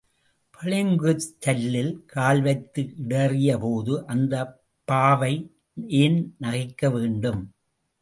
பளிங்குக் சல்லில் கால்வைத்து இடறியபோது அந்தப்பாவை ஏன் நகைக்க வேண்டும்?